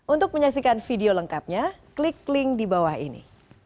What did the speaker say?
untuk menyaksikan video lengkapnya klik link di bawah ini